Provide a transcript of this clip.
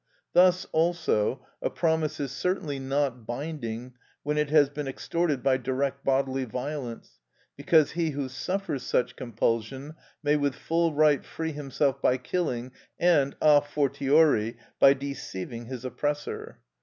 Thus, also, a promise is certainly not binding when it has been extorted by direct bodily violence, because he who suffers such compulsion may with full right free himself by killing, and, a fortiori, by deceiving his oppressor.